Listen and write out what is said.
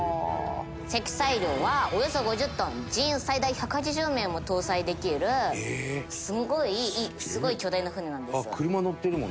積載量はおよそ５０トン人員最大１８０名も搭載できるすごい巨大な船なんです。